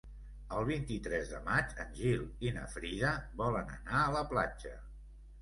El vint-i-tres de maig en Gil i na Frida volen anar a la platja.